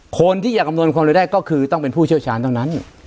คนที่จะคำนวณความเร็วได้ก็คือต้องเป็นผู้เชี่ยวชาญเท่านั้น